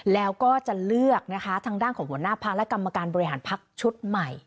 แล้วก็จะเลือกนะคะทางด้านของหัวหน้าพักและกรรมการบริหารพักชุดใหม่